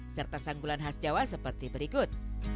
serta sanggulan khas jawa seperti berikut